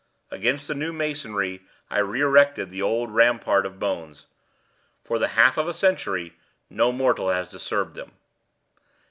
Against the new masonry I re erected the old rampart of bones. For the half of a century no mortal has disturbed them.